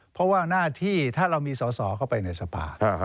เพราะว่าหน้าที่ถ้าเรามีสอสอเข้าไปในสภา